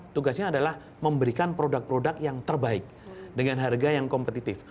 tugasnya adalah memberikan produk produk yang terbaik dengan harga yang kompetitif